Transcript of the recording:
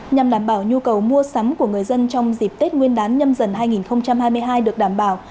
nhằm đảm bảo nhu cầu mua sắm của người dân trong dịp tết nguyên đán nhâm dần hai nghìn hai mươi hai được đảm bảo